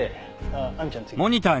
ああ亜美ちゃん次。